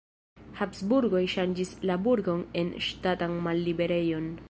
Habsburgoj ŝanĝis la burgon en ŝtatan malliberejon.